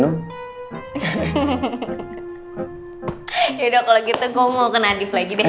yaudah kalo gitu gue mau ke nadif lagi deh